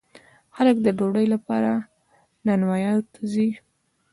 خلک د ډوډۍ لپاره نانواییو ته ځي.